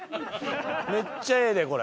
めっちゃええでこれ。